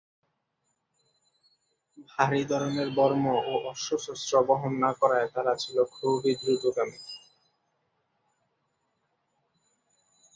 ভারী ধরনের বর্ম বা অস্ত্রশস্ত্র বহন না করায় তারা ছিল খুবই দ্রুতগামী।